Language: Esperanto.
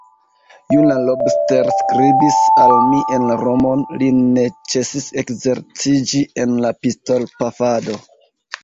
Juna Lobster skribis al mi en Romon; li ne ĉesis ekzerciĝi en la pistolpafado.